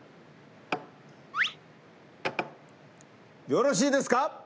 よろしいですか？